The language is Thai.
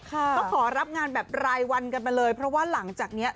ก็ขอรับงานแบบรายวันกันไปเลยเพราะว่าหลังจากนี้